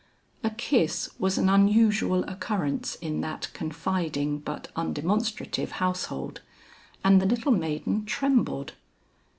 A kiss was an unusual occurrence in that confiding but undemonstrative household, and the little maiden trembled.